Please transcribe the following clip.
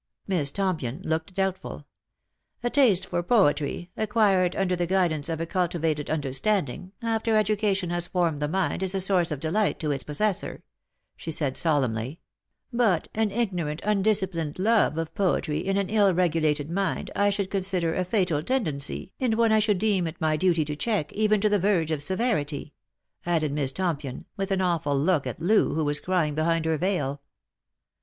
Miss Tompion looked doubtful. " A taste for poetry, acquired under the guidance of a culti vated understanding, after education has formed the mind, is a source of delight to its possessor," she said solemnly ;" but an ignorant undisciplined love of poetry in an ill regulated mind I should consider a fatal tendency, and one I should deem it my duty to check, even to the verge of severity," added Miss Tompion, with an awful look at Loo, who was crying behind her veil.